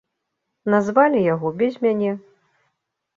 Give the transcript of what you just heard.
Назвалі яго без мяне.